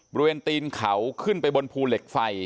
ตีนเขาขึ้นไปบนภูเหล็กไฟ